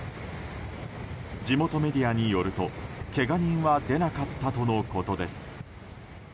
地元メディアによると、けが人は出なかったとのことです。